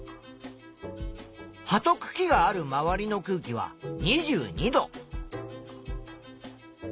葉とくきがある周りの空気は２２度。